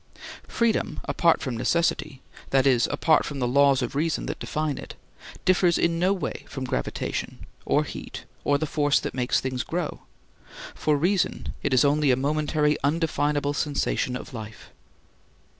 Freedom, apart from necessity, that is, apart from the laws of reason that define it, differs in no way from gravitation, or heat, or the force that makes things grow; for reason, it is only a momentary undefinable sensation of life.